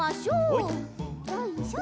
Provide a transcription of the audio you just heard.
よいしょと。